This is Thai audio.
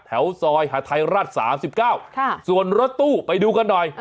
แถวซอยหาทัยรัฐ๓๙ส่วนรถตู้ไปดูกันหน่อย